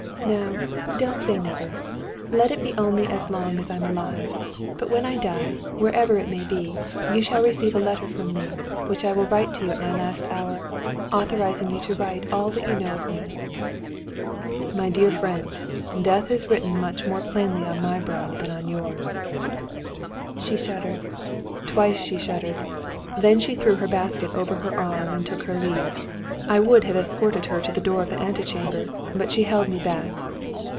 "No; don't say never. Let it be only as long as I'm alive. But when I die, wherever it may be, you shall receive a letter from me, which I will write to you at my last hour, authorizing you to write all that you know of me." "My dear friend, death is written much more plainly on my brow than on yours." She shuddered. Twice she shuddered. Then she threw her basket over her arm, and took her leave. I would have escorted her to the door of the ante chamber, but she held me back.